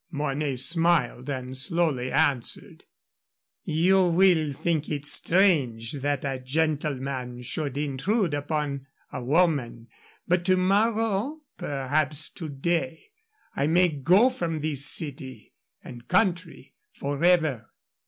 Mornay smiled and slowly answered: "You will think it strange that a gentleman should intrude upon a woman. But to morrow, perhaps to day, I may go from this city and country forever.